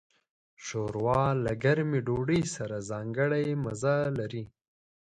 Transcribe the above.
ښوروا له ګرمې ډوډۍ سره ځانګړی مزه لري.